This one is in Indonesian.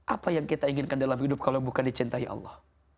apa yang kita inginkan dalam hidup kalau bukan dicintai allah